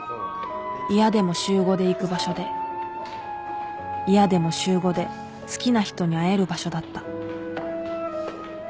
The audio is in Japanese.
嫌でも週５で行く場所で嫌でも週５で好きな人に会える場所だった